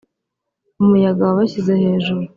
umuyaga wabashyize hejuru.